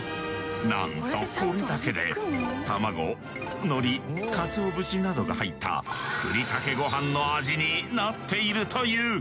なんとこれだけでたまご海苔かつお節などが入ったふりかけごはんの味になっているという！